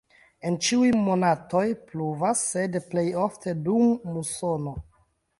En ĉiuj monatoj pluvas, sed plej ofte dum musono.